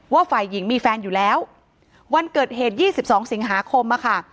ฝ่ายหญิงมีแฟนอยู่แล้ววันเกิดเหตุ๒๒สิงหาคมอะค่ะ